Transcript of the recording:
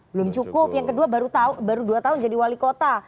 belum cukup yang kedua baru dua tahun jadi wali kota